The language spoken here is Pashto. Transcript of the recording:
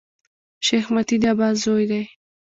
شېخ متي د عباس زوی دﺉ.